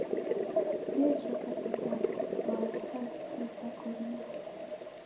Dejoka igari ikwau, dikavika itakoniji.